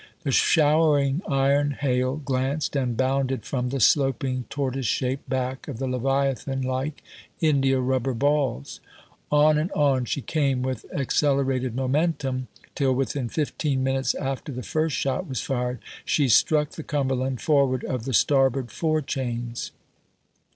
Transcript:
The showering iron hail glanced and bounded from the sloping, tortoise shaped back of the leviathan like india rubber ball s. On and on she came with accelerated momentum, till within fifteen minutes after the first shot was fired she struck the Cumberland forward of the starboard fore chains.